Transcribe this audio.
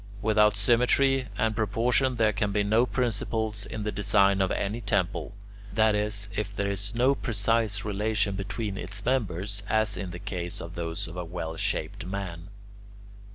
Without symmetry and proportion there can be no principles in the design of any temple; that is, if there is no precise relation between its members, as in the case of those of a well shaped man.